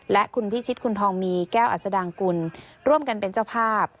และคุณพิชิตคุณทองมีแก้วอัศดางกุลร่วมกันเป็นเจ้าภาพ